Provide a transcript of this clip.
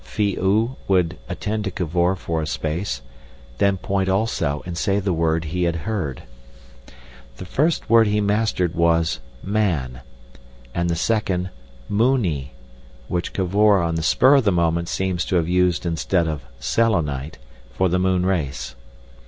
Phi oo would attend to Cavor for a space, then point also and say the word he had heard. The first word he mastered was "man," and the second "Mooney"—which Cavor on the spur of the moment seems to have used instead of "Selenite" for the moon race.